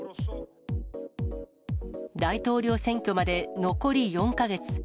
大統領選挙まで残り４か月。